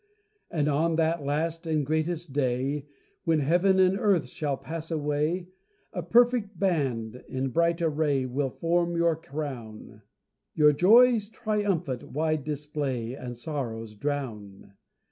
And on that last and greatest day, When heaven and earth shall pass away, A perfect band, in bright array, Will form your crown, Your joys triumphant wide display, And sorrows drown.